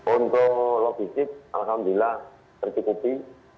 untuk logistik alhamdulillah terkikuti